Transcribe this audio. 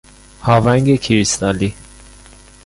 هاونگ کریستالی